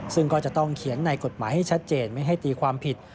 ซึ่งก็จะต้องเขียนในกฎหมายให้ชัดเจนไม่ให้ตีความผิด